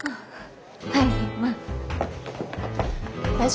はい。